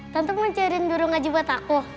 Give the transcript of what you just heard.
tante mau cariin guru ngaji buat aku